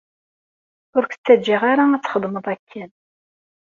Ur k-ttaǧǧaɣ ara ad txedmeḍ akken.